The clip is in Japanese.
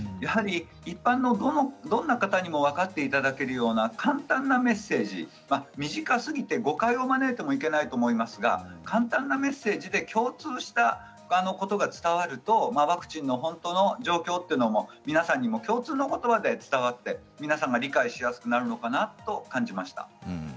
一般のどんな方にも分かっていただけるような簡単なメッセージ短すぎて誤解を招いてもいけないと思いますが簡単なメッセージで共通したことが伝わるとワクチンの本当の状況が共通のことばで伝わって理解しやすくなるのかなと思いました。